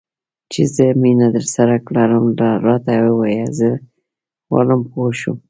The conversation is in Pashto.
چې زه مینه درسره لرم؟ راته ووایه، زه غواړم پوه شم.